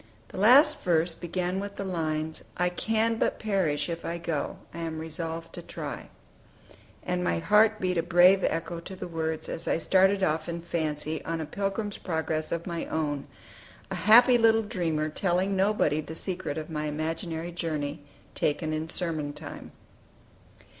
The last verse began with the lines, "I can but perish if I go: I am resolved to try:" and my heart beat a brave echo to the words, as I started off in fancy on a "Pilgrim's Progress" of my own, a happy little dreamer, telling nobody the secret of my imaginary journey, taken in sermon time.